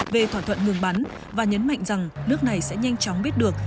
về thỏa thuận ngừng bắn và nhấn mạnh rằng nước này sẽ nhanh chóng biết được